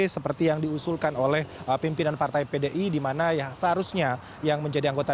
seperti yang diusulkan oleh pimpinan partai pdi